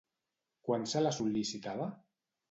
Quan se la sol·licitava?